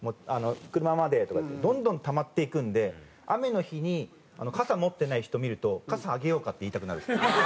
「車まで」とかってどんどんたまっていくんで雨の日に傘持ってない人見ると「傘あげようか？」って言いたくなる。